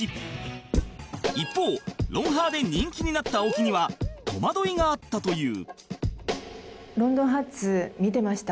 一方『ロンハー』で人気になった青木には戸惑いがあったという